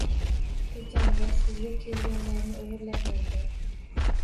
Hechamda, sizga kelganlarni o‘g‘irlabmanda